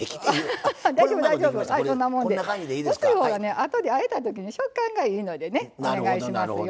あとであえたときに食感がいいのでねお願いしますよ。